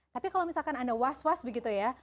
tapi kalau misalkan anda was was begitu ya